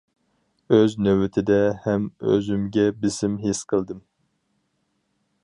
ئۆز نۆۋىتىدە ھەم ئۆزۈمگە بېسىم ھېس قىلدىم.